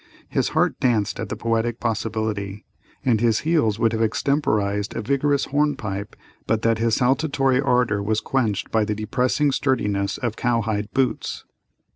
His heart danced at the poetic possibility, and his heels would have extemporized a vigorous hornpipe but that his saltatory ardor was quenched by the depressing sturdiness of cow hide boots.